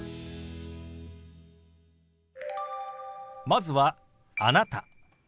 まずは「あなた」。